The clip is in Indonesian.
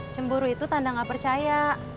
cemburu itu tanda gak percaya